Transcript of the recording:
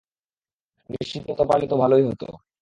নিশ্চিত হতে পারলে তো ভালোই হত।